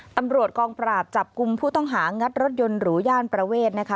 ตำรวจกองปราบจับกลุ่มผู้ต้องหางัดรถยนต์หรูย่านประเวทนะคะ